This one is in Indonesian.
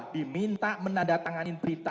diminta menandatanganin berita